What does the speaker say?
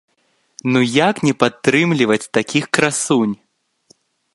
Ну як не падтрымліваць такіх красунь?!